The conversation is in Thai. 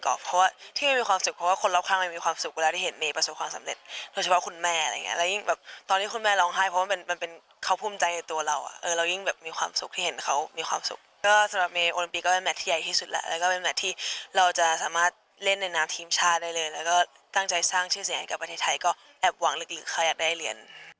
และก็ตั้งใจสร้างชื่อเสียงใหญ่กับประเทศไทยก็แอบหวังลึกใครอยากได้เหรียญ